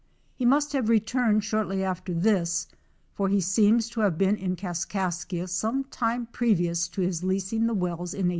He must have returned shortly after this, for he seems to have been in Kaskaskia some time previous to his leasing the wells in 1815.